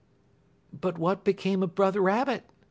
"But what became of Brother Rabbit?"